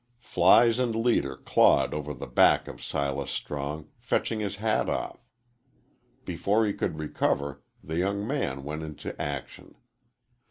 Flies and leader clawed over the back of Silas Strong, fetching his hat off. Before he could recover, the young man went into action.